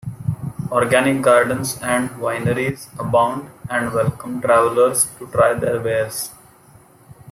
Organic gardens and vineries abound and welcome travelers to try their wares.